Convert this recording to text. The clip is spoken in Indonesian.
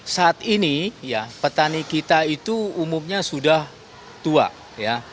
saat ini ya petani kita itu umumnya sudah tua ya